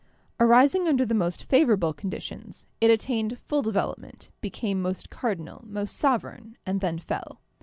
Arising under the most favorable conditions, it attained full development, became most cardinal, most sovereign, and then fell.